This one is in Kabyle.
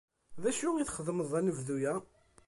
D acu i txedmeḍ anebdu-a?